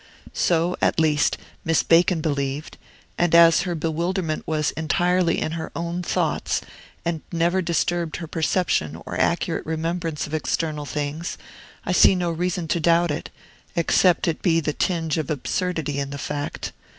So, at least, Miss Bacon believed; and as her bewilderment was entirely in her own thoughts, and never disturbed her perception or accurate remembrance of external things, I see no reason to doubt it, except it be the tinge of absurdity in the fact.